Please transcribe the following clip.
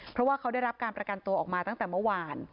เพราะว่าเขาได้รับการประกันตัวออกมาตั้งแต่เมื่อวาน